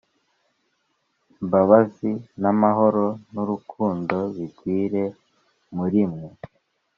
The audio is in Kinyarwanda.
imbabazi n’amahoro n’urukundo bigwire muri mwe